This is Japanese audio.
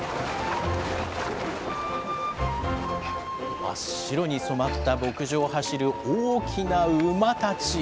真っ白に染まった牧場を走る大きな馬たち。